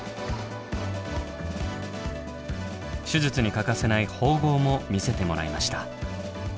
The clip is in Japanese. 手術に欠かせない縫合も見せてもらいました。